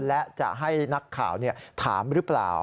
และจะให้นักข่าวถามหรือเปล่า